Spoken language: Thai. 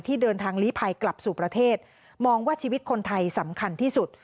เดินทางลีภัยกลับสู่ประเทศมองว่าชีวิตคนไทยสำคัญที่สุด